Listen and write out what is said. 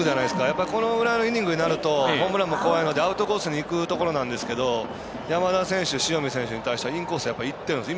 やっぱりこのぐらいのイニングになるとホームランも怖いのでアウトコースにいくところなんですけど山田選手、塩見選手に対してはインコースいってるんです。